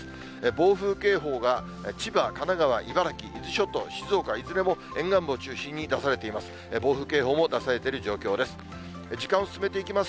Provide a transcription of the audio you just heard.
暴風警報が千葉、神奈川、茨城、伊豆諸島、静岡、いずれも沿岸部を中心に出されています。